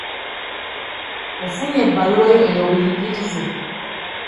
Ofunye ebbaluwa yo ey'obuyigirize?